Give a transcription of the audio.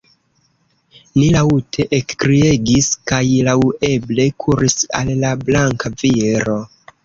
Ni laŭte ekkriegis, kaj laŭeble kuris al la blanka viro.